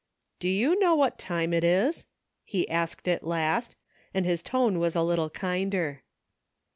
" Do you know what time it is ?" he asked at last, and his tone was a little kinder.